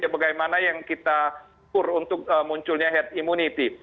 bagaimana yang kita kur untuk munculnya herd immunity